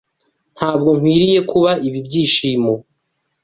Ntabwo nkwiriye kuba ibi byishimo.